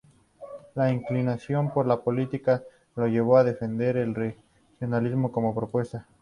La inclinación por la política le llevó a defender el Regionalismo, como propuesta.